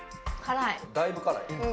だいぶ辛いね。